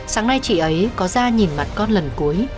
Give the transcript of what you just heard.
sáng nay chị ấy có ra nhìn mặt con lần cuối